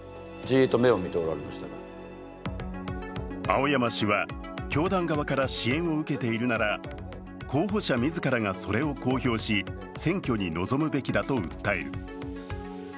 青山氏は教団側から支援を受けているなら候補者自らがそれを公表し、選挙に臨むべきだと訴える。